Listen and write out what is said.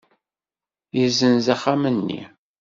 Yessenz axxam-nni?